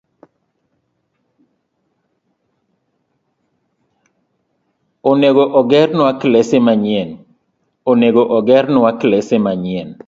Nego ogernwa klese manyien.